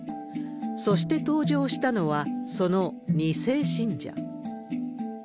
そして登場したのは、その２世信者。